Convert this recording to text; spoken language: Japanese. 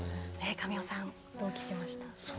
神尾さん、どう聴きました？